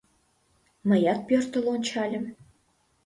Мыят пӧртыл ончальым.